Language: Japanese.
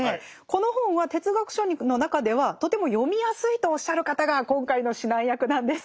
この本は哲学書の中ではとても読みやすいとおっしゃる方が今回の指南役なんです。